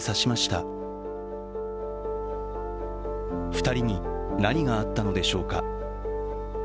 ２人に何があったのでしょうか。